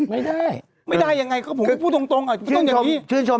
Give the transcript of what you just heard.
ไม่ได้ไม่ได้ยังไงก็ผมก็พูดตรงต้องอย่างนี้ชื่นชม